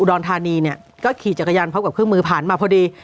รธานีเนี่ยก็ขี่จักรยานพร้อมกับเครื่องมือผ่านมาพอดี